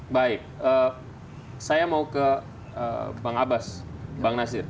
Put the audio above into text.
baik saya mau ke bang abbas bang nasir